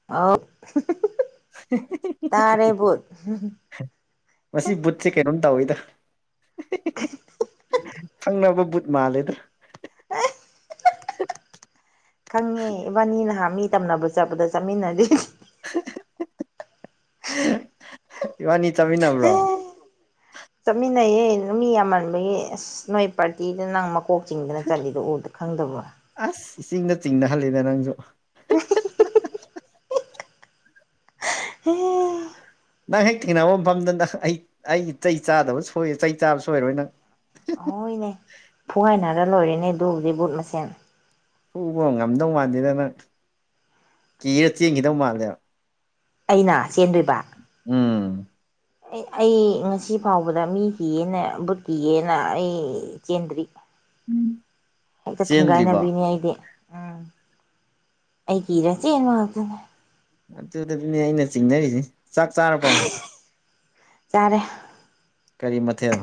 [unintelligible] ꯇꯥꯔꯦꯕꯨ ꯃꯁꯤ ꯕꯨꯠꯁꯦ ꯀꯩꯅꯣꯝ ꯇꯧꯋꯤꯗ ꯈꯪꯅꯕ ꯕꯨꯠ ꯃꯥꯜꯂꯦꯗ [unintelligible] ꯈꯪꯉꯦ ꯏꯕꯥꯅꯤ ꯅꯍꯥꯟ ꯃꯤ ꯇꯝꯅꯕ ꯆꯠꯄꯗ ꯆꯠꯃꯤꯟꯅꯔꯤ ꯏꯕꯥꯅꯤ ꯆꯠꯃꯤꯟꯅꯕ꯭ꯔꯣ ꯆꯠꯃꯤꯟꯅꯩꯌꯦ ꯃꯤ ꯌꯥꯝꯃꯟꯕꯒꯤ ꯑꯁ ꯅꯣꯏ ꯄꯥꯔꯇꯤꯗ ꯅꯪ ꯀꯣꯛ ꯆꯤꯡꯗꯅ ꯆꯠꯂꯤꯗꯣ ꯎꯗ ꯈꯪꯗꯕ꯭ꯔꯣ ꯑꯁ ꯏꯆꯤꯡꯗ ꯆꯤꯡꯅꯍꯜꯂꯤꯗ ꯅꯪꯖꯨ [unintelligible] [unintelligible] ꯅꯪ ꯍꯦꯛ ꯊꯦꯡꯅꯕ ꯃꯐꯝꯗ ꯅꯪ ꯑꯩ ꯑꯩꯒꯤ ꯆꯩ ꯆꯥꯗꯕ ꯁꯣꯏ ꯆꯩ ꯆꯥꯕ ꯁꯣꯏꯔꯣꯏ ꯅꯪ ꯍꯣꯏꯅꯦ ꯐꯨꯒꯥꯏꯅꯔ ꯂꯣꯏꯔꯦꯅꯦ ꯑꯗꯨꯕꯨꯗꯤ ꯕꯨꯠ ꯃꯁꯦꯟ ꯐꯨꯕ ꯉꯝꯗꯧ ꯃꯥꯜꯗꯦꯗ ꯅꯪ ꯀꯤꯔ ꯆꯦꯟꯈꯤꯗꯧ ꯃꯥꯜꯂꯦꯕ ꯑꯩꯅ ꯆꯦꯟꯗꯣꯏꯕ ꯎꯝ ꯑꯩ ꯉꯁꯤ ꯐꯥꯎꯕꯗ ꯃꯤ ꯀꯤꯌꯦꯅ ꯕꯨꯠ ꯀꯤꯌꯦꯅ ꯑꯩ ꯆꯦꯟꯗ꯭ꯔꯤ ꯍꯦꯛꯇ ꯆꯦꯟꯗ꯭ꯔꯤꯕꯣ ꯊꯤꯡꯒꯥꯏꯅꯕꯤꯅꯤ ꯑꯩꯗꯤ ꯑꯩꯀꯤꯔ ꯆꯦꯟꯕ ꯉꯥꯛꯇꯅꯤ꯫ ꯑꯗꯨꯗꯗꯤꯅꯦ ꯑꯩꯅ ꯆꯤꯡꯅꯔꯤꯖꯦ ꯆꯥꯛ ꯆꯥꯔꯕꯣ ꯆꯥꯔꯦ ꯀꯔꯤ ꯃꯊꯦꯜ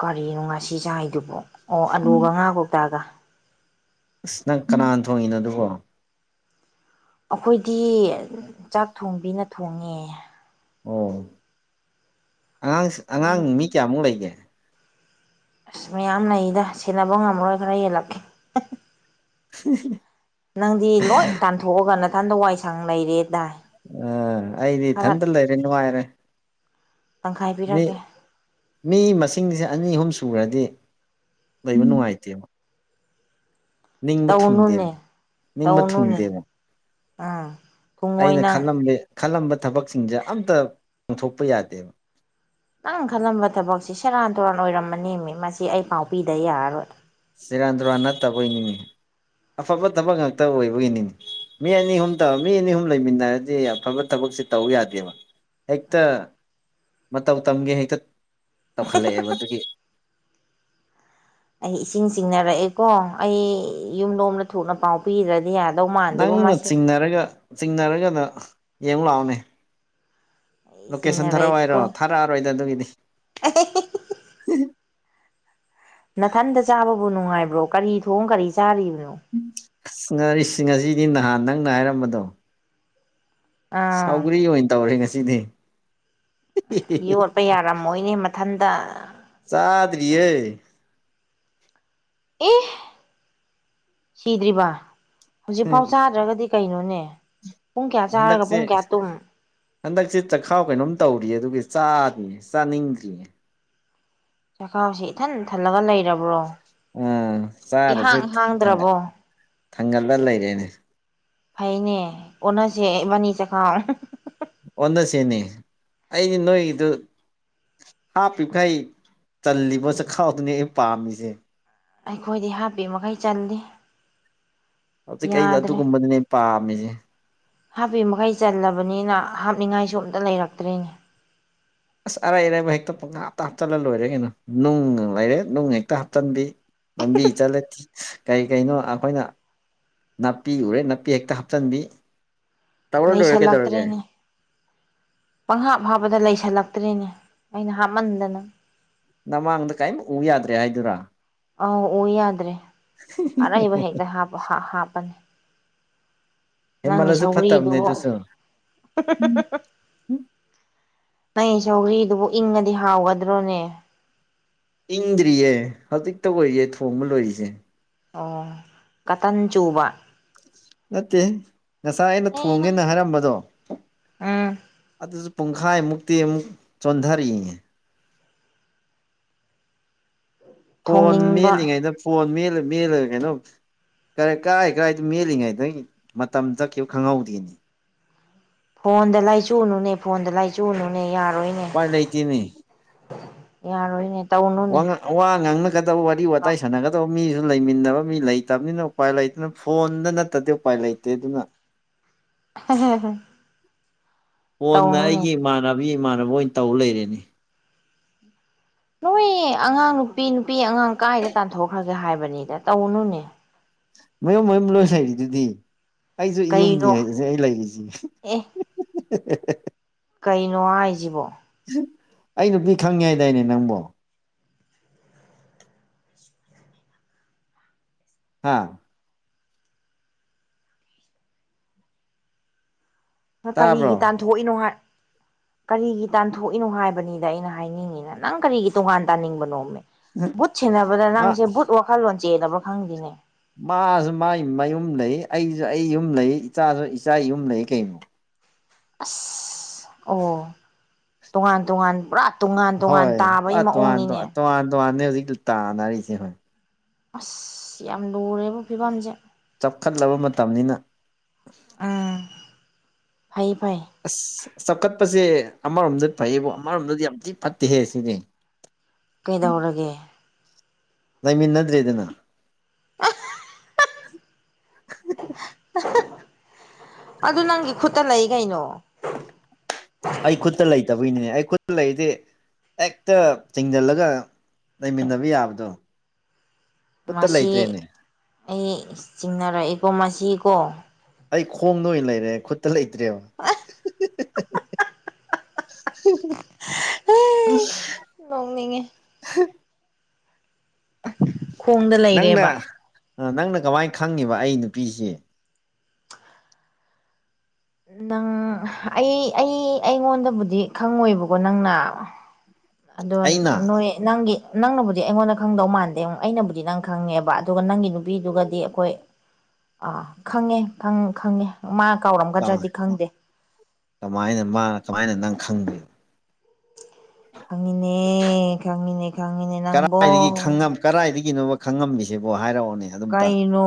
ꯀꯔꯤꯅꯣ ꯉꯥꯁꯤ ꯆꯥꯏꯗꯨꯕꯨ ꯑꯣ ꯑꯥꯂꯨꯒ ꯉꯥ ꯀꯧꯇꯒ ꯑꯁ ꯅꯪ ꯀꯅꯥꯅ ꯊꯣꯡꯉꯤꯅꯣ ꯑꯗꯨꯕꯣ ꯑꯩꯈꯣꯏꯗꯤ ꯆꯥꯛ ꯊꯣꯡꯕꯤꯅ ꯊꯣꯡꯉꯦ ꯑꯣ ꯑꯉꯥꯡ ꯅꯪ ꯑꯉꯥꯡ ꯃꯤ ꯀꯌꯥꯃꯨꯛ ꯂꯩꯒꯦ ꯑꯁ ꯃꯌꯥꯝ ꯂꯩꯗ ꯁꯦꯟꯅꯕ ꯉꯝꯃꯔꯣꯏ ꯈꯔ ꯌꯦꯜꯂꯛꯀꯦ [unintelligible] ꯅꯪꯗꯤ ꯂꯣꯏ ꯇꯥꯟꯊꯣꯛꯑꯒ ꯅꯥꯊꯟꯗ ꯋꯥꯏ ꯁꯥꯡ ꯂꯩꯔꯦꯗꯥꯏ ꯑ ꯑꯩꯗꯤ ꯈꯔ ꯏꯊꯟꯇ ꯂꯩꯔꯦ ꯅꯨꯡꯉꯥꯏꯔꯦ ꯃꯤ ꯇꯪꯈꯥꯏꯕꯤꯔꯒꯦ ꯃꯤ ꯃꯁꯤꯡꯁꯦ ꯑꯅꯤ ꯑꯍꯨꯝ ꯁꯨꯔꯗꯤ ꯂꯩꯕ ꯅꯨꯡꯉꯥꯏꯇꯦꯕ ꯅꯤꯡꯕ ꯊꯨꯡꯗꯦꯅꯦ ꯇꯧꯅꯨꯅꯦ ꯅꯤꯡꯕ ꯇꯧꯅꯨꯅꯦ ꯊꯨꯡꯗꯦꯕ ꯑꯝ ꯑꯩꯅ ꯈꯜꯂꯝꯃꯦ ꯈꯜꯂꯝꯕ ꯊꯕꯛꯁꯤꯡꯁꯦ ꯑꯝꯇ ꯄꯥꯡꯊꯣꯛꯄ ꯌꯥꯗꯦꯕ ꯅꯪ ꯈꯜꯂꯝꯕ ꯊꯕꯛꯁꯤ ꯁꯦꯔꯥꯟ ꯇꯨꯔꯥꯟ ꯑꯣꯏꯔꯝꯃꯅꯦꯃꯤ ꯃꯁꯤ ꯑꯩ ꯄꯥꯎ ꯄꯤꯗ ꯌꯥꯔꯔꯣꯏ ꯆꯦꯔꯥꯟ ꯇꯨꯔꯥꯟ ꯅꯠꯇꯕꯒꯤꯅꯤꯃꯤ ꯑꯐꯕ ꯊꯕꯛ ꯉꯥꯛꯇ ꯑꯣꯏꯕꯒꯤꯅꯤꯃꯤ ꯃꯤ ꯑꯅꯤ ꯑꯍꯨꯝꯇ ꯃꯤ ꯑꯅꯤ ꯑꯍꯨꯝ ꯂꯩꯃꯤꯟꯅꯔꯗꯤ ꯑꯐꯕ ꯊꯕꯛꯁꯦ ꯇꯧ ꯌꯥꯗꯦꯕ ꯍꯦꯛꯇ ꯃꯇꯧ ꯇꯝꯒꯦ ꯍꯦꯛꯇ ꯇꯧꯈꯠꯂꯛꯑꯦ ꯃꯗꯨꯒꯤ ꯑꯩ ꯏꯁꯤꯡ ꯆꯤꯡꯅꯔꯛꯑꯦꯀꯣ ꯑꯩ ꯌꯨꯝ ꯂꯣꯝꯗ ꯊꯨꯅ ꯄꯥꯎ ꯄꯤꯔ ꯌꯥꯗꯧꯃꯥꯟ ꯅꯪꯅ ꯆꯤꯡꯅꯔꯒ ꯆꯤꯡꯅꯔꯒꯅ ꯌꯦꯡꯉꯨ ꯂꯥꯛꯑꯣꯅꯦ ꯑꯩ ꯂꯣꯀꯦꯁꯟ ꯊꯥꯔꯛꯑꯣ ꯆꯤꯡꯅꯔꯛꯏꯀꯣ ꯍꯥꯏꯔꯣ ꯊꯥꯔꯛꯑꯔꯣꯏꯗ ꯑꯗꯨꯒꯤꯗꯤ ꯅꯥꯊꯟꯗ ꯆꯥꯕꯕꯨ ꯅꯨꯡꯉꯥꯏꯕ꯭ꯔꯣ ꯀꯔꯤ ꯊꯣꯡ ꯀꯔꯤ ꯆꯥꯔꯤꯕꯅꯣ ꯎꯝ ꯑꯁ ꯉꯔꯤꯁꯤ ꯉꯁꯤꯗꯤ ꯅꯍꯥꯟ ꯅꯪꯅ ꯍꯥꯏꯔꯝꯕꯗꯣ ꯑꯥ ꯁꯥꯎꯒ꯭ꯔꯤ ꯑꯣꯏꯅ ꯇꯧꯔꯦ ꯉꯁꯤꯗꯤ ꯌꯣꯠꯄ ꯌꯥꯔꯝꯃꯣꯏꯅꯦ ꯃꯊꯟꯇ ꯆꯥꯗ꯭ꯔꯤꯌꯦ ꯑꯦ ꯁꯤꯗ꯭ꯔꯤꯕ ꯎꯝ ꯍꯧꯖꯤꯛꯐꯥꯎ ꯆꯥꯗ꯭ꯔꯒꯗꯤ ꯀꯩꯅꯣꯅꯦ ꯄꯨꯡ ꯀꯌꯥ ꯆꯥꯔꯒ ꯍꯟꯗꯛꯁꯦ ꯄꯨꯡ ꯀꯌꯥ ꯇꯨꯝ ꯍꯟꯗꯛꯁꯦ ꯆꯥꯛꯈꯥꯎ ꯀꯩꯅꯣꯝ ꯇꯧꯔꯤꯌꯦ ꯑꯗꯨꯒꯤ ꯆꯥꯗ꯭ꯔꯤꯅꯦ ꯆꯥꯅꯤꯡꯗ꯭ꯔꯤꯌꯦ ꯆꯈꯥꯎꯁꯦ ꯏꯊꯟ ꯊꯜꯂꯒ ꯂꯩꯔꯕ꯭ꯔꯣ ꯎꯝ ꯆꯥꯗꯔꯁꯨ ꯏꯍꯥꯡ ꯊꯥꯟꯒꯠ ꯍꯥꯡꯗ꯭ꯔꯕꯣ ꯊꯥꯡꯒꯠꯂ ꯂꯩꯔꯦꯅꯦ ꯐꯩꯅꯦ ꯑꯣꯟꯅꯁꯦ ꯏꯕꯅꯤ ꯆꯈꯥꯎ ꯑꯣꯟꯅꯁꯤꯅꯦ ꯑꯩꯗꯤ ꯅꯣꯏꯒꯤꯗꯨ ꯍꯥꯞꯄꯤꯈꯩ ꯆꯜꯂꯤꯕ ꯆꯈꯥꯎꯗꯨꯅꯤ ꯑꯩ ꯄꯥꯝꯃꯤꯁꯦ ꯑꯩꯈꯣꯏꯗꯤ ꯍꯥꯞꯄꯤ ꯃꯈꯩ ꯆꯜꯂꯤ ꯍꯧꯖꯤꯛ ꯑꯩꯅ ꯌꯥꯗ꯭ꯔꯦ ꯑꯗꯨꯒꯨꯝꯕꯗꯨꯅꯦ ꯄꯥꯝꯃꯤꯁꯦ ꯍꯥꯞꯄꯤ ꯃꯈꯩ ꯆꯜꯂꯕꯅꯤꯅ ꯍꯥꯞꯅꯤꯡꯉꯥꯏꯁꯨ ꯑꯃꯇ ꯂꯩꯔꯛꯇ꯭ꯔꯦꯅꯦ ꯑꯁ ꯑꯔꯩ ꯑꯔꯩ ꯕ ꯍꯦꯛꯇ ꯄꯡꯍꯥꯞꯇ ꯍꯥꯞ ꯆꯜꯂ ꯂꯣꯏꯔꯦ ꯀꯩꯅꯣ ꯅꯨꯡ ꯂꯩꯔꯦ ꯅꯨꯡ ꯍꯦꯛꯇ ꯍꯥꯞꯆꯟꯕꯤ ꯂꯝꯕꯤ ꯆꯠꯂꯦ ꯊꯤ ꯀꯔꯤ ꯀꯔꯤꯅꯣ ꯑꯩꯈꯣꯏꯅ ꯅꯥꯄꯤ ꯎꯔꯦ ꯅꯥꯄꯤ ꯍꯦꯛꯇ ꯍꯥꯞꯆꯤꯟꯕꯤ ꯇꯧꯔ ꯂꯣꯏꯔꯦ ꯇꯧꯔꯒꯦ ꯂꯩꯁꯜꯂꯛꯇ꯭ꯔꯦꯅꯦ ꯄꯪꯍꯥꯞ ꯍꯥꯞꯕꯗ ꯂꯩꯁꯜꯂꯛꯇ꯭ꯔꯦꯅꯦ ꯑꯩꯅ ꯍꯥꯞꯃꯟꯗꯅ ꯅꯃꯥꯡꯗ ꯀꯔꯤꯝ ꯎ ꯌꯥꯗ꯭ꯔꯦ ꯍꯥꯏꯗꯨꯔ ꯑ ꯎ ꯌꯥꯗ꯭ꯔꯦ ꯑꯔꯩꯕ ꯍꯦꯛꯇ ꯍꯥꯞ ꯍꯥꯝꯄꯅꯤ ꯅꯪꯒꯤ ꯍꯦꯟꯃꯜꯂꯁꯨ ꯐꯠꯇꯕꯅꯦ ꯁꯧꯒ꯭ꯔꯤꯗꯨꯕꯣ ꯑꯗꯨꯁꯨ ꯅꯪꯒꯤ ꯁꯧꯒ꯭ꯔꯤꯗꯨꯕꯨ ꯏꯪꯉꯗꯤ ꯍꯥꯎꯒꯗ꯭ꯔꯣꯅꯦ ꯏꯪꯗ꯭ꯔꯤꯌꯦ ꯍꯧꯖꯤꯛꯇ ꯑꯣꯏꯌꯦ ꯊꯣꯡꯕ ꯂꯣꯏꯔꯤꯁꯦ ꯑꯣ ꯀꯇꯟ ꯆꯨꯕ ꯅꯠꯇꯦ ꯉꯁꯥꯏ ꯑꯩꯅ ꯅꯦꯅ ꯊꯣꯡꯉꯦꯅ ꯍꯥꯏꯔꯝꯕꯗꯣ ꯎꯝ ꯑꯗꯨꯁꯨ ꯄꯨꯡꯈꯥꯏꯃꯨꯛꯇꯤ ꯑꯃꯨꯛ ꯆꯣꯟꯊꯔꯛꯏꯉ ꯐꯣꯟ ꯊꯣꯡꯅꯤꯡꯕ ꯃꯦꯜꯂꯤꯉꯩꯗ ꯐꯣꯟ ꯃꯦꯜꯂ ꯃꯦꯜꯂ ꯀꯩꯅꯣ ꯀ ꯀꯔꯥꯏ ꯀꯔꯥꯏꯗꯣ ꯃꯦꯜꯂꯤꯉꯩꯗꯪ ꯃꯇꯝ ꯆꯠꯈꯤꯕ ꯈꯪꯍꯧꯗꯦꯅꯤ ꯐꯣꯟꯗ ꯂꯥꯏꯆꯨꯅꯨꯅꯦ ꯐꯣꯟꯗ ꯂꯥꯏꯆꯨꯅꯨꯅꯦ ꯌꯥꯔꯣꯏꯅꯦ ꯎꯄꯥꯏ ꯂꯩꯇꯦꯅꯦ ꯏꯔ ꯏꯅꯦ ꯋꯥ ꯋꯥ ꯉꯥꯡꯅꯒꯗꯕ ꯋꯥꯔꯤ ꯋꯥꯋꯇꯥꯏ ꯁꯥꯟꯅꯒꯗꯕ ꯃꯤꯁꯨ ꯂꯩꯃꯤꯟꯅꯕ ꯃꯤ ꯂꯩꯇꯕꯅꯤꯅ ꯎꯄꯥꯏ ꯂꯩꯇꯅ ꯐꯣꯟꯗ ꯅꯠꯇꯗꯤ ꯎꯄꯥꯏ ꯂꯩꯇꯦ ꯑꯗꯨꯅ [inaudible] ꯍꯣꯟꯅ ꯇꯧꯅꯨꯅꯦ ꯑꯩꯒꯤ ꯏꯃꯥꯟꯅꯕꯤ ꯏꯃꯥꯟꯅꯕ ꯑꯣꯏꯅ ꯇꯧꯕ ꯂꯩꯔꯦꯅꯦ ꯅꯣꯏꯌꯦ ꯑꯉꯥꯡ ꯅꯨꯄꯤ ꯅꯨꯄꯤ ꯑꯉꯥꯡ ꯀꯥꯏꯗ ꯇꯥꯟꯊꯣꯛꯈ꯭ꯔꯒꯦ ꯍꯥꯏꯕꯅꯤꯗ ꯇꯧꯅꯨꯅꯦ ꯃꯌꯨꯝ ꯃꯌꯨꯝ ꯂꯣꯏ ꯂꯩꯔꯤꯗꯨꯗꯤ ꯑꯩꯁꯨ ꯌꯨꯝꯅꯤ ꯀꯩꯅꯣ ꯍꯥꯏꯁꯦ ꯑꯩ ꯂꯩꯔꯤꯁꯤ ꯑꯦ [unintelligible] ꯀꯩꯅꯣ ꯍꯥꯏꯁꯤꯕꯣ ꯑꯩ ꯅꯨꯄꯤ ꯈꯪꯉꯦ ꯍꯥꯏꯗꯥꯏꯅꯦ ꯅꯪꯕꯣ ꯍꯥꯥ ꯇꯥꯕ꯭ꯔꯣ ꯀꯔꯤꯒꯤ ꯇꯥꯟꯊꯣꯛꯏꯅꯣ ꯍꯥꯏ ꯀꯔꯤꯒꯤ ꯇꯥꯟꯊꯣꯛꯏꯅꯣ ꯍꯥꯏꯕꯅꯤꯗ ꯑꯩꯅ ꯍꯥꯏꯅꯤꯡꯉꯤꯅ ꯅꯪ ꯀꯔꯤꯒꯤ ꯇꯣꯉꯥꯟ ꯇꯥꯅꯤꯡꯕꯅꯣꯃꯦ ꯕꯨꯠ ꯁꯦꯟꯅꯕꯗ ꯃꯥ ꯅꯪꯁꯦ ꯕꯨꯠ ꯋꯥꯈꯜꯂꯣꯟ ꯆꯦꯗꯕꯥ ꯈꯪꯗꯦꯅꯦ ꯃꯥꯁꯨ ꯃꯥꯥꯏ ꯃꯌꯨꯝ ꯂꯩ ꯑꯩꯁꯨ ꯑꯩ ꯌꯨꯝ ꯂꯩ ꯏꯆꯥꯁꯨ ꯏꯆꯥ ꯌꯨꯝ ꯂꯩ ꯀꯩꯅꯣ ꯑꯁ ꯑꯣ ꯇꯣꯉꯥꯟ ꯇꯣꯉꯥꯟ ꯄꯨꯔꯥ ꯇꯣꯉꯥꯟ ꯇꯣꯉꯥꯟ ꯍꯣꯏ ꯇꯥꯕꯒꯤ ꯑ ꯇꯣꯉꯥꯟ ꯇꯣꯉꯥꯟ ꯃꯑꯣꯡꯅꯤꯅꯦ ꯇꯣꯉꯥꯟ ꯇꯣꯉꯥꯟꯅꯦ ꯍꯧꯖꯤꯛ ꯇꯥꯟꯅꯔꯤꯁꯦ ꯍꯣꯏ ꯑꯁ ꯌꯥꯝ ꯂꯨꯔꯦꯕ ꯐꯤꯕꯝꯁꯦ ꯆꯥꯎꯈꯠꯂꯕ ꯃꯇꯝꯅꯤꯅ ꯎꯝ ꯐꯩꯌꯦ ꯐꯩ ꯑꯁ ꯆꯥꯎꯈꯠꯄꯁꯦ ꯑꯃꯔꯣꯝꯗꯗꯤ ꯐꯩꯌꯦꯕꯣ ꯑꯃꯔꯣꯝꯗꯗꯤ ꯌꯥꯝ ꯊꯤ ꯐꯠꯇꯦꯍꯦ ꯁꯤꯅꯦ ꯀꯩꯗꯧꯔꯒꯦ ꯂꯩꯃꯤꯟꯅꯗ꯭ꯔꯦꯗꯅ [inaudible] ꯑꯗꯨ ꯅꯪꯒꯤ ꯈꯨꯠꯇ ꯂꯩ ꯀꯩꯅꯣ ꯑꯩ ꯈꯨꯠꯇ ꯂꯩꯇꯕꯒꯤꯅꯤꯅꯦ ꯑꯩ ꯈꯨꯠꯇ ꯂꯩꯔꯤꯗꯤ ꯍꯦꯛꯇ ꯆꯤꯡꯁꯤꯜꯂꯒ ꯂꯩꯃꯤꯟꯅꯕ ꯌꯥꯕꯗꯣ ꯈꯨꯠꯇ ꯃꯁꯤ ꯂꯩꯇ꯭ꯔꯦꯅꯦ ꯑꯩ ꯆꯤꯡꯅꯔꯛꯏꯀꯣ ꯃꯁꯤꯀꯣ ꯑꯩ ꯈꯣꯡꯗ ꯑꯣꯏꯅ ꯂꯩꯔꯦ ꯈꯨꯠꯇ ꯂꯩꯇ꯭ꯔꯦꯕ ꯎ ꯇꯣꯡꯅꯤꯉ ꯈꯣꯡꯗ ꯅꯪꯅ ꯂꯩꯔꯦꯕ ꯅꯪꯅ ꯀꯃꯥꯏꯅ ꯈꯪꯉꯤꯕ ꯑꯩ ꯅꯨꯄꯤꯁꯦ ꯅꯪ ꯑꯩ ꯑꯩ ꯑꯩꯉꯣꯟꯗꯕꯨꯗꯤ ꯈꯪꯉꯣꯏꯕꯀꯣ ꯅꯪꯅ ꯑꯗꯣ ꯑꯩꯅ ꯅꯣꯏ ꯅꯪꯒꯤ ꯅꯪꯅꯕꯨꯗꯤ ꯑꯩꯉꯣꯟꯗ ꯈꯪꯗꯧ ꯃꯥꯟꯗꯦ ꯑꯃꯨꯛ ꯑꯩꯅꯕꯨꯗꯤ ꯅꯪ ꯈꯪꯉꯦꯕ ꯑꯗꯨꯒ ꯅꯪꯒꯤ ꯅꯨꯄꯤꯗꯨꯒꯗꯤ ꯑꯩꯈꯣꯏ ꯑꯥ ꯈꯪꯉꯦ ꯈꯪꯉꯦ ꯃꯥ ꯀꯥꯎꯔꯝꯃ ꯀꯃꯥꯏꯟ ꯀꯃꯥꯏꯅ ꯃꯥꯅ ꯀꯃꯥꯏꯅ ꯅꯪ ꯈꯪꯗ꯭ꯔꯤꯕ ꯈꯉꯤꯅꯦ ꯈꯉꯤꯅꯦ ꯈꯉꯤꯅꯦ ꯅꯪꯕꯣ ꯀꯔꯥꯏꯗꯒꯤꯅꯣꯕ ꯈꯪꯉꯝꯃꯤꯁꯤꯕꯣ ꯍꯥꯏꯔꯛꯑꯣꯅꯦ ꯑꯗꯨꯝꯇ ꯀꯩꯅꯣ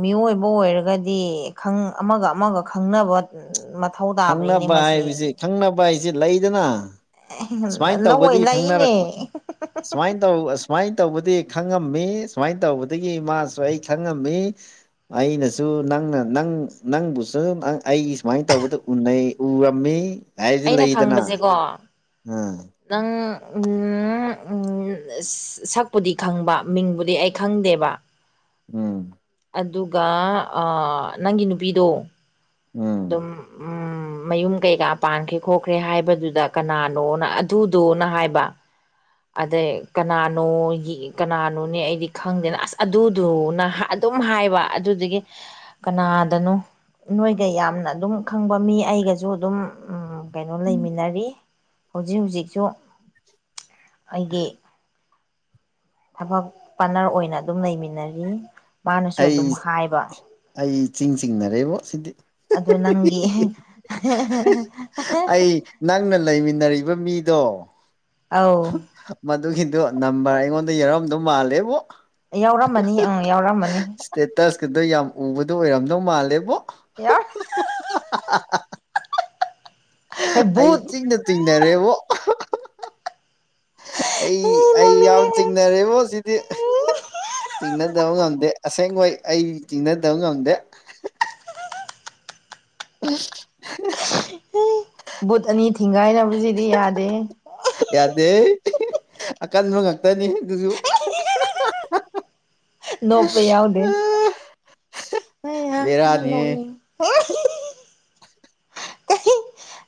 ꯃꯤꯑꯣꯏꯕ ꯑꯣꯏꯔꯒꯗꯤ ꯈꯪ ꯑꯃꯒ ꯑꯃꯒ ꯈꯪꯅꯕ ꯃꯠ ꯊꯧꯇꯥꯕꯅꯤꯅꯦ ꯈꯪꯅꯕ ꯃꯁꯤ ꯍꯥꯏꯕꯁꯤ ꯈꯪꯅꯕ ꯍꯥꯏꯖꯦ ꯂꯩꯗꯅ ꯁꯨꯃꯥꯏꯟ ꯂꯣꯏ ꯇꯧꯕꯗꯤ ꯂꯩꯅꯦ ꯈꯪꯅꯔꯛꯄ ꯁꯨꯃꯥꯏꯟ ꯇꯧ ꯑꯁꯨꯃꯥꯏꯟ ꯇꯧꯕꯗꯤ ꯈꯪꯉꯝꯃꯤ ꯁꯨꯃꯥꯏꯟ ꯇꯧꯕꯗꯒꯤ ꯃꯥꯁꯨ ꯑꯩ ꯈꯪꯉꯝꯃꯤ ꯑꯩꯅꯁꯨ ꯅꯪꯅ ꯅꯪ ꯅꯪꯕꯨꯁꯨ ꯑꯩ ꯁꯨꯃꯥꯏꯟ ꯇꯧꯕꯗ ꯎꯅꯩ ꯎꯔꯝꯃꯤ ꯍꯥꯏꯗꯤ ꯑꯩꯅ ꯂꯩꯗꯅ ꯈꯪꯕꯁꯦꯀꯣ ꯑꯥ ꯅꯪ ꯎꯝ ꯎꯝ ꯁꯛꯄꯨꯗꯤ ꯈꯪꯕ ꯃꯤꯡꯕꯨꯗꯤ ꯑꯩ ꯈꯪꯗꯦꯕ ꯎꯝ ꯑꯗꯨꯒ ꯑ ꯅꯪꯒꯤ ꯅꯨꯄꯤꯗꯣ ꯑꯗꯨꯝ ꯎꯝ ꯎꯝ ꯃꯌꯨꯝ ꯀꯩꯀꯥ ꯄꯥꯟꯈ꯭ꯔꯦ ꯈꯣꯠꯈ꯭ꯔꯦ ꯍꯥꯏꯕꯗꯨꯗ ꯀꯅꯥꯅꯣꯅ ꯑꯗꯨꯗꯣꯅ ꯍꯥꯏꯕ ꯑꯗꯩ ꯀꯅꯥꯅꯣꯒꯤ ꯀꯅꯥꯅꯣꯅꯦ ꯑꯩꯗꯤ ꯈꯪꯗꯦꯅ ꯑꯁ ꯑꯗꯨꯗꯣꯅ ꯑꯗꯨꯝ ꯍꯥꯏꯕ ꯑꯗꯨꯗꯨꯒꯤ ꯀꯅꯥꯗꯅꯣ ꯅꯣꯏꯒ ꯌꯥꯝꯅ ꯑꯗꯨꯝ ꯈꯪꯕ ꯃꯤ ꯑꯩꯒꯁꯨ ꯑꯗꯨꯝ ꯎꯝ ꯀꯩꯅꯣ ꯂꯩꯃꯤꯟꯅꯔꯤ ꯍꯧꯖꯤꯛ ꯍꯧꯖꯤꯛꯁꯨ ꯑꯩꯒꯤ ꯊꯕꯛ ꯄꯥꯠꯅꯔ ꯑꯣꯏꯅ ꯑꯗꯨꯝ ꯂꯩꯃꯤꯟꯅꯔꯤ ꯔꯤ ꯃꯥꯅꯁꯨ ꯑꯗꯨꯝ ꯑꯩ ꯍꯥꯏꯕ ꯑꯩ ꯏꯆꯤꯡ ꯆꯤꯡꯅꯔꯦꯕꯣ ꯁꯤꯗꯤ ꯑꯗꯣ ꯅꯪꯒꯤ ꯑꯩ ꯅꯪꯅ ꯂꯩꯃꯤꯟꯅꯔꯤꯕ ꯃꯤꯗꯣ ꯑꯧ ꯃꯗꯨꯒꯤꯗꯣ ꯅꯝꯕꯔ ꯑꯩꯉꯣꯟꯗ ꯌꯥꯎꯔꯝꯗꯧ ꯃꯥꯜꯂꯦꯕꯣ ꯌꯥꯎꯔꯝꯃꯅꯤ ꯎꯝ ꯌꯥꯎꯔꯝꯃꯅꯤ ꯁ꯭ꯇꯦꯇꯁꯀꯗꯣ ꯌꯥꯝ ꯎꯕꯗꯣ ꯑꯣꯏꯔꯝꯗꯧ ꯃꯥꯜꯂꯦꯕꯣ [unintelligible] [unintelligible] ꯑꯩ ꯕꯨꯠ ꯏꯆꯤꯡꯗ ꯆꯤꯡꯅꯔꯦꯕꯣ ꯑꯩ ꯑꯩ ꯌꯥꯝ ꯅꯣꯛꯅꯤꯡꯉꯦ ꯆꯤꯡꯅꯔꯦꯕꯣ ꯁꯤꯗꯤ ꯆꯤꯡꯅꯗꯕ ꯉꯝꯗꯦ ꯑꯁꯦꯡꯕꯩ ꯑꯩ ꯆꯤꯡꯅꯗꯕ ꯉꯝꯗꯦ [unintelligible] [unintelligible] ꯕꯨꯠ ꯑꯅꯤ ꯊꯤꯡꯒꯥꯏꯅꯕꯁꯤꯗꯤ ꯌꯥꯗꯦꯍꯦ ꯌꯥꯗꯦꯍꯦ ꯑꯀꯟꯕ ꯉꯥꯛꯇꯅꯤ ꯑꯗꯨꯁꯨ [unintelligible] ꯅꯣꯛꯄ ꯌꯥꯎꯗꯦ ꯑꯩꯌꯥ ꯑ ꯕꯦꯔꯥꯅꯤꯍꯦ ꯅꯣꯛꯅꯤꯡꯉꯤ [unintelligible]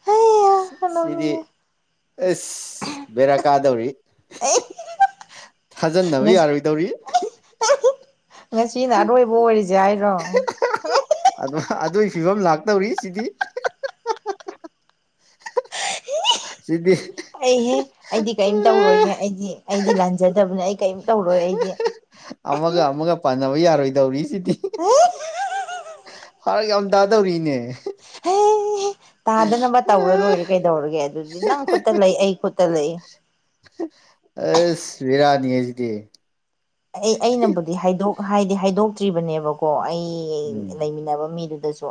ꯁꯤꯗꯤ ꯑꯦꯁ ꯕꯦꯔꯥ ꯀꯥꯗꯧꯔꯤ ꯊꯥꯖꯟꯗꯕ ꯌꯥꯔꯣꯏꯗꯧꯔꯤ ꯉꯁꯤꯅ ꯑꯔꯣꯏꯕ ꯑꯣꯏꯔꯖꯤ ꯍꯥꯏꯔꯣ ꯑꯗꯨꯃꯥ ꯑꯗꯨꯏ ꯐꯤꯕꯝ ꯂꯥꯛꯇꯧꯔꯤ ꯁꯤꯗꯤ ꯁꯤꯗꯤ ꯑꯩꯍꯦ ꯑꯩꯗꯤ ꯀꯔꯤꯝ ꯇꯧꯔꯣꯏꯍꯦ ꯑꯩꯗꯤ ꯑꯩꯗꯤ ꯂꯥꯟꯖꯗꯕꯅꯦ ꯑꯩ ꯀꯌꯤꯝ ꯇꯧꯔꯣꯏ ꯑꯩꯗꯤ ꯑꯃꯒ ꯑꯃꯒ ꯄꯥꯟꯅꯕ ꯌꯥꯔꯣꯏꯗꯧꯔꯤ ꯁꯤꯗꯤ [unintelligible] ꯐꯥꯔꯛ ꯌꯥꯝ ꯇꯥꯗꯧꯔꯤꯅꯦ ꯇꯥꯗꯅꯕ ꯇꯧꯔ ꯂꯣꯏꯔꯦ ꯀꯩꯗꯧꯔꯒꯦ ꯑꯗꯨꯗꯤ ꯅꯪ ꯈꯨꯠꯇ ꯂꯩ ꯑꯩ ꯈꯨꯠꯇ ꯂꯩ [unintelligible] ꯑꯦꯁ ꯕꯤꯔꯥꯅꯤꯍꯦ ꯁꯤꯗꯤ ꯑꯩ ꯑꯩꯅꯕꯨꯗꯤ ꯍꯥꯏꯗꯤ ꯍꯥꯏꯗꯣꯛꯇ꯭ꯔꯤꯕꯅꯦꯕꯀꯣ ꯑꯩ ꯎꯝ ꯂꯩꯃꯤꯟꯅꯕ ꯃꯤꯗꯨꯗꯁꯨ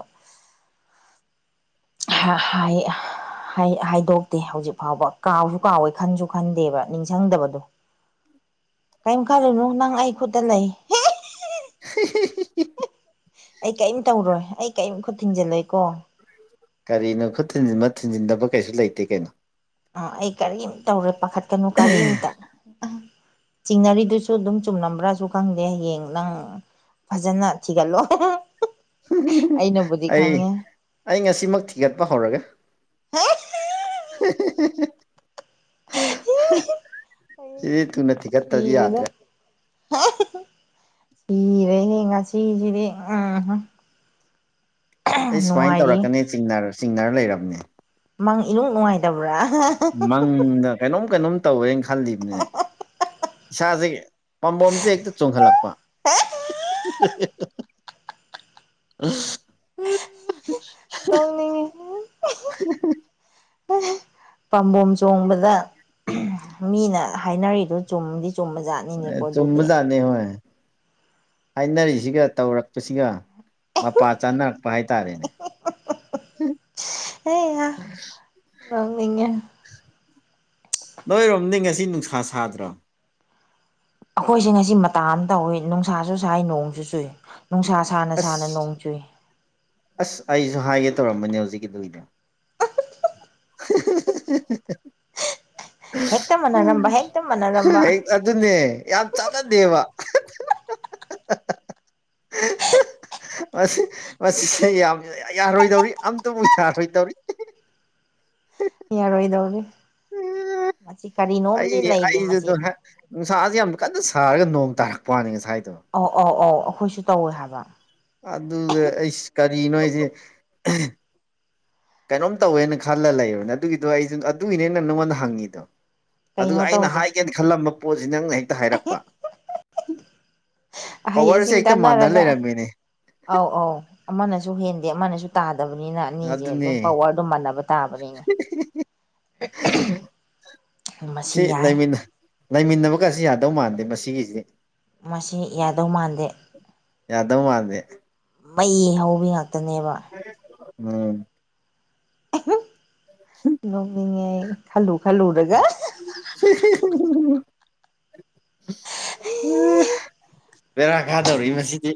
ꯍꯥꯏ ꯍꯥꯏꯗꯣꯛꯇꯦ ꯍꯧꯖꯤꯛ ꯐꯥꯎꯕ ꯀꯥꯎꯁꯨ ꯀꯥꯎꯋꯦ ꯈꯟꯁꯨ ꯈꯟꯗꯦꯕ ꯅꯤꯡꯁꯤꯡꯗꯕꯗꯣ ꯀꯔꯤꯝ ꯈꯜꯂꯨꯅꯨ ꯅꯪ ꯑꯩ ꯈꯨꯠꯇ ꯂꯩ [inaudible] ꯑꯩ ꯀꯤꯝ ꯇꯧꯔꯣꯏ ꯑꯩ ꯀꯤꯝ ꯈꯨꯠ ꯊꯤꯡꯖꯤꯜꯂꯣꯏꯀꯣ ꯀꯔꯤꯅꯣ ꯈꯨꯠ ꯊꯤꯟꯖꯤꯟꯕ ꯊꯤꯟꯖꯤꯟꯗꯕ ꯀꯩꯁꯨ ꯂꯩꯇꯦ ꯀꯩꯅꯣ ꯑꯥ ꯑꯩ ꯀꯔꯤꯝ ꯇꯧꯔꯣꯢ ꯄꯥꯈꯠꯀꯅꯨ ꯀꯔꯤꯝꯇ ꯆꯤꯡꯅꯔꯤꯗꯨꯁꯨ ꯑꯗꯨꯝ ꯆꯨꯝꯂꯝꯕ꯭ꯔꯥꯁꯨ ꯈꯪꯗꯦ ꯍꯌꯦꯡ ꯅꯪ ꯐꯖꯅ ꯊꯤꯒꯠꯂꯣ ꯑꯩꯅꯕꯨꯗꯤ ꯑꯩ ꯈꯪꯉꯦ ꯑꯩ ꯉꯁꯤꯃꯛ ꯊꯤꯒꯠꯄ ꯍꯧꯔꯒꯦ [inaudible] ꯁꯤꯗꯤ ꯊꯨꯅ ꯊꯤꯒꯠꯇ꯭ꯔꯗꯤ ꯁꯤꯗꯅ ꯌꯥꯗ꯭ꯔꯦ [inaudible] ꯏꯔꯦꯍꯦ ꯉꯁꯤꯒꯤꯗꯤ ꯎꯝ ꯑꯩ ꯁꯨꯃꯥꯏꯅ ꯅꯨꯡꯉꯥꯏꯔꯤ ꯇꯧꯔꯛꯀꯅꯤ ꯆꯤꯡꯅꯔ ꯂꯩꯔꯕꯅꯦ ꯃꯪ ꯏꯅꯨꯡ ꯅꯨꯡꯉꯥꯏꯇꯕ꯭ꯔꯥ ꯃꯪꯗ ꯀꯩꯅꯣꯝ ꯀꯩꯅꯣꯝ ꯇꯧꯋꯦꯅ ꯈꯜꯂꯤꯕꯅꯦ ꯏꯁꯥꯁꯦ ꯄꯥꯝꯕꯣꯝꯁꯦ ꯍꯦꯛꯇ ꯆꯣꯡꯍꯠꯂꯛꯄ ꯑ ꯎ [inaudible] ꯅꯣꯛꯅꯤꯡꯉꯦ ꯎ [inaudible] ꯄꯥꯝꯕꯣꯝ ꯆꯣꯡꯕꯗ ꯃꯤꯅ ꯍꯥꯏꯅꯔꯤꯗꯣ ꯆꯨꯝꯗꯤ ꯆꯨꯝꯕꯖꯥꯠꯅꯤ ꯆꯨꯝꯕꯖꯥꯠꯅꯤ ꯍꯣꯢ ꯍꯥꯏꯅꯔꯤꯁꯤꯒ ꯇꯧꯔꯛꯄꯁꯤꯒ ꯃꯄꯥ ꯆꯅꯥ ꯄ ꯍꯥꯏ ꯇꯥꯔꯦꯅꯦ ꯑꯩꯍꯥ ꯅꯣꯛꯅꯤꯡꯉꯦ ꯅꯣꯏꯔꯣꯝꯗꯤ ꯉꯁꯤ ꯅꯨꯡꯁꯥ ꯁꯥꯗ꯭ꯔꯣ ꯑꯩꯈꯣꯏꯁꯦ ꯉꯁꯤ ꯃꯇꯥ ꯑꯃ ꯇꯧꯏꯋꯦ ꯅꯨꯡꯁꯥꯁꯨ ꯁꯥꯏ ꯅꯣꯡꯁꯨ ꯆꯨꯏ ꯅꯨꯡꯁꯥ ꯁꯥꯅ ꯁꯥꯅ ꯑꯁ ꯅꯣꯡ ꯆꯨꯏ ꯑꯁ ꯑꯩꯁꯨ ꯍꯥꯏꯒꯦ ꯇꯧꯔꯝꯕꯅꯦ ꯍꯧꯖꯤꯛꯀꯤꯗꯨ [inaudible] ꯍꯦꯛꯇ ꯃꯅꯔꯝꯕ ꯍꯦꯛꯇ ꯃꯅꯔꯝꯕ ꯍꯦꯛ ꯑꯗꯨꯅꯦ ꯌꯥꯝ ꯆꯥꯟꯅꯗꯦꯕ [inaudible] ꯃꯁꯤ ꯃꯁꯤ ꯌꯥꯝ ꯌꯥꯔꯣꯏꯗꯧꯔꯤ ꯑꯝꯇꯕꯨ ꯌꯥꯔꯣꯏꯗꯧꯔꯤ ꯌꯥꯔꯣꯏꯗꯧꯔꯤ ꯃꯁꯤ ꯀꯔꯤꯅꯣꯝꯗꯤ ꯑꯩ ꯂꯩꯔꯤ ꯃꯁꯤ ꯑꯩꯗꯨꯗꯣ ꯅꯨꯡꯁꯥꯁꯦ ꯌꯥꯝ ꯀꯟꯅ ꯁꯥꯔꯒ ꯅꯣꯡ ꯇꯥꯔꯛꯄ ꯋꯥꯅꯦ ꯉꯁꯥꯏꯗꯣ ꯑꯧ ꯑꯧ ꯑꯧ ꯑꯩꯈꯣꯏꯁꯨ ꯇꯧꯋꯦ ꯍꯥꯏꯕ ꯑꯗꯨꯅꯦ ꯑꯩ ꯀꯔꯤꯅꯣ ꯑꯩꯁꯦ ꯀꯩꯅꯣꯝ ꯇꯧꯋꯦꯅ ꯈꯜꯂ ꯂꯩꯔꯕꯅꯦ ꯑꯗꯨꯒꯤꯗꯣ ꯑꯩꯁꯨ ꯑꯗꯨꯒꯤꯅꯦ ꯅꯪ ꯅꯪꯉꯣꯟꯗ ꯍꯪꯉꯤꯗꯣ ꯑꯗꯨꯒ ꯀꯩꯅꯣ ꯑꯩꯅ ꯇꯧꯁꯦ ꯍꯥꯏꯒꯦꯅ ꯈꯜꯂꯝꯕ ꯄꯣꯠꯁꯤ ꯅꯪꯅ ꯍꯦꯛ ꯍꯥꯏꯔꯛꯄ ꯑꯍꯩ ꯄꯋꯥꯔꯁꯦ ꯑꯁꯤꯡ ꯍꯦꯛꯇ ꯃꯥꯟꯅꯔ ꯇꯥꯟꯅꯔꯒ ꯂꯩꯔꯝꯃꯤꯅꯦ ꯑꯧ ꯑꯧ ꯑꯃꯅꯁꯨ ꯍꯦꯟꯗꯦ ꯑꯃꯅꯁꯨ ꯇꯥꯗꯕꯅꯤꯅ ꯑꯅꯤꯁꯦ ꯑꯗꯨꯝ ꯑꯗꯨꯅꯦ ꯄꯋꯥꯔꯗꯣ ꯃꯥꯟꯅꯕ ꯇꯥꯕꯅꯤꯅꯦ [unintelligible] ꯁꯤ ꯃꯁꯤ ꯌꯥꯏ ꯂꯩꯃꯤꯟꯅ ꯂꯩꯃꯤꯟꯅꯕꯒꯥ ꯁꯤ ꯌꯥꯗꯧ ꯃꯥꯟꯗꯦ ꯃꯁꯤꯒꯤꯁꯤ ꯃꯁꯤ ꯌꯥꯗꯧ ꯃꯥꯟꯗꯦ ꯌꯥꯗꯧ ꯃꯥꯟꯗꯦ ꯃꯩ ꯍꯧꯕꯤ ꯉꯥꯛꯇꯅꯦꯕ ꯎꯝ ꯅꯣꯛꯅꯤꯡꯉꯦ ꯑꯩ ꯈꯜꯂꯨ ꯈꯜꯂꯨꯔꯒ [unintelligible] ꯕꯦꯔꯥ ꯀꯥꯗꯧꯔꯤ ꯃꯁꯤꯗꯤ